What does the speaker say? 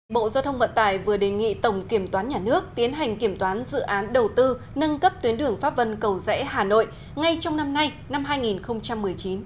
bộ giao thông vận tải vừa đề nghị tổng kiểm toán nhà nước tiến hành kiểm toán dự án đầu tư nâng cấp tuyến đường pháp vân cầu rẽ hà nội ngay trong năm nay năm hai nghìn một mươi chín